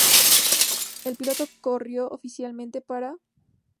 El piloto corrió oficialmente para Porsche buena parte de su carrera deportiva.